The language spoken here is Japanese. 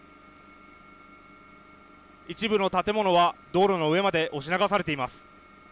一部の建物は道路の上まで押し流されています。